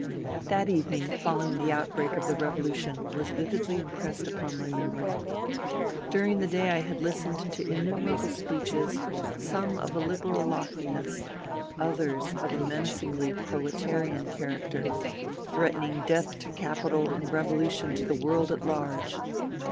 That evening following the outbreak of the revolu tion was vividly impressed upon my memory. During the day I had listened to innumerable speeches, some of a Liberal loftiness ; others of a menacingly prole tarian character, threatening death to capital and revolution to the world at large.